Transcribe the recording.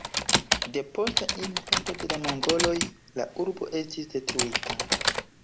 Depost invado de la mongoloj la urbo estis detruita.